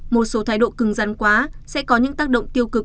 một số thái độ cưng rắn quá sẽ có những tác động tiêu cực